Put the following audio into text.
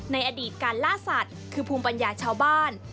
ในอดีตการล่าสัตว์คือภูมิปัญญาชาวบ้าน